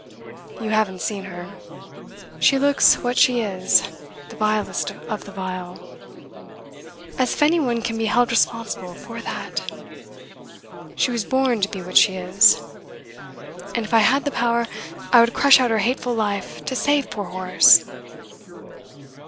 You haven't seen her. She looks what she is, the vilest of the vile. As if any one can be held responsible for that! She was born to be what she is. And if I had the power, I would crush out her hateful life to save poor Horace!